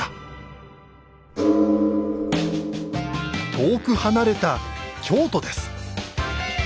遠く離れた京都です。